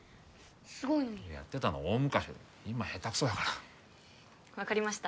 すごいのにやってたの大昔だ今下手くそだから分かりました